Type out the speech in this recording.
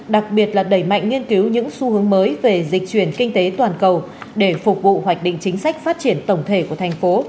đặc biệt là đẩy mạnh nghiên cứu những xu hướng mới về dịch chuyển kinh tế toàn cầu để phục vụ hoạch định chính sách phát triển tổng thể của thành phố